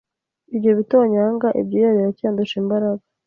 Ibyo bitonyanga ibyuya biracyandusha imbaraga